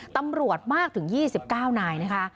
ตำรวจมากถึง๒๙นายนะคะ